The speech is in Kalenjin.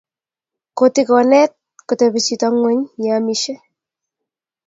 kotikonet kotepi chito ng'weny yee amishiek